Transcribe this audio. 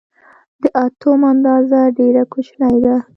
د اتوم اندازه ډېره کوچنۍ ده.